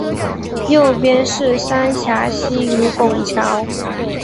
右边是三峡溪与拱桥